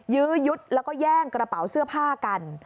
ยื้อยุดแล้วก็แย่งกระเป๋าเสื้อผ้ากัน